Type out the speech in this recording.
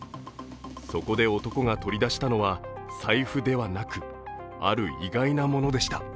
そこで男が取り出したのは財布ではなくある意外なものでした。